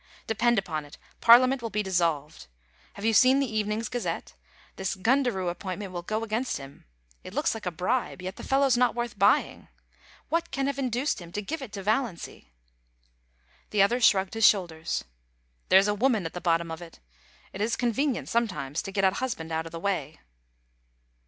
Depend upon it, Parliament will be dissolved. Have you seen the evening's Gazette! This Gundaroo appointment will go against him. It looks like a bribe — yet the fellow is not worth buying. What can have induced him to give it to Valiancy ? The other shrugged his shoulders. * There's a woman at the bottom of it It is convenient sometimes to get a husband out of the way.'